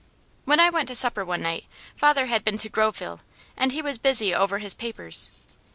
When I went to supper one night; father had been to Groveville, and he was busy over his papers.